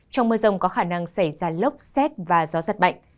trong mưa rông có khả năng xảy ra lốc xét và gió giật mạnh